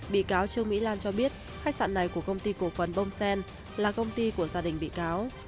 bị cáo trương mỹ lan cho biết khách sạn này của công ty cổ phần bông sen là công ty của gia đình bị cáo